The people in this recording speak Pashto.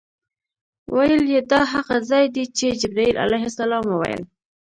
ویل یې دا هغه ځای دی چې جبرائیل علیه السلام وویل.